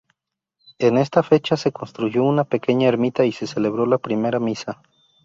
En esta fecha, se construyó una pequeña ermita y se celebró la primera misa.